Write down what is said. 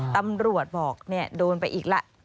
ตำรวจบอกโดนไปอีกแล้ว